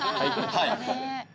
はい。